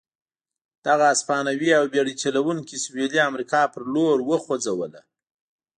دغه هسپانوي او بېړۍ چلوونکي سوېلي امریکا په لور وخوځوله.